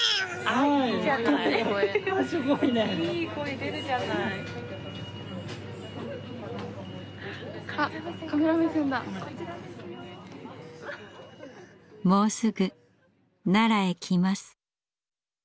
もうすぐ奈良へ来ます。